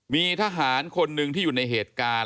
มีทหารคนหนึ่งที่อยู่ในเหตุการณ์